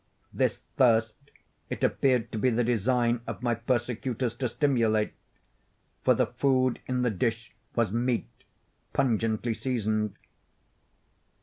This thirst it appeared to be the design of my persecutors to stimulate—for the food in the dish was meat pungently seasoned.